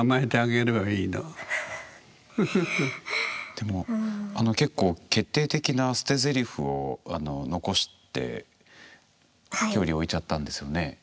でも結構決定的な捨てぜりふを残して距離を置いちゃったんですよね？